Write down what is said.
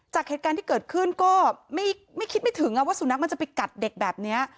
จากเหตุการณ์ที่เกิดขึ้นก็ไม่คิดไม่ถึงว่าสุนัขมันจะไปกัดเด็กแบบนี้